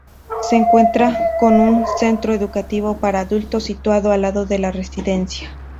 Se cuenta con un centro educativo para adultos situado al lado de la residencia.